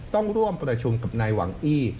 ต้องร่วมประชุมกับนายหวังอี้